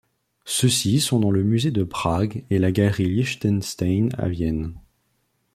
Ceux-ci sont dans le musée de Prague et la Galerie Liechtenstein à Vienne.